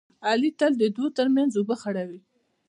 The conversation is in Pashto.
علي تل د دوو ترمنځ اوبه خړوي.